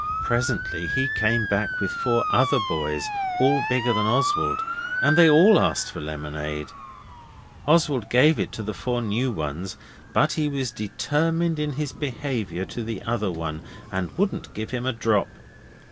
Presently he came back with four other boys, all bigger than Oswald; and they all asked for lemonade. Oswald gave it to the four new ones, but he was determined in his behaviour to the other one, and wouldn't give him a drop.